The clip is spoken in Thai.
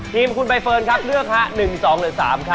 ทีมคุณใบเฟิร์นครับเลือกค่ะ๑๒๓ค่ะ